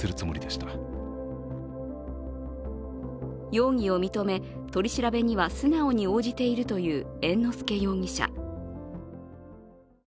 容疑を認め、取り調べには素直に応じているという猿之助容疑者。